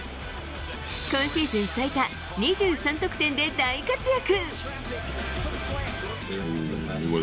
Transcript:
今シーズン最多、２３得点で大活躍。